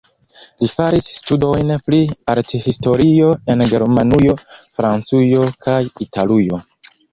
Li faris studojn pri arthistorio en Germanujo, Francujo kaj Italujo.